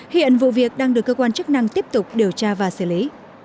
hiện vụ việc đang được cơ quan chức năng tiếp tục điều tra và xử lý